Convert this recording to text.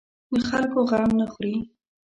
د خلکو غم نه خوري.